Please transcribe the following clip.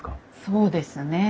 そうですね。